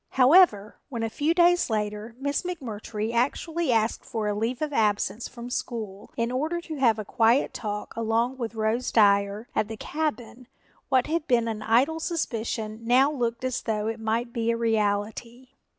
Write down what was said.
However, when a few days later Miss McMurtry actually asked for a leave of absence from school in order to have a quiet talk alone with Rose Dyer at the cabin, what had been an idle suspicion now looked as though it might be a reality.